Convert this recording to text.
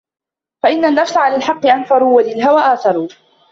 فَإِنَّ النَّفْسَ عَنْ الْحَقِّ أَنْفَرُ ، وَلِلْهَوَى آثَرُ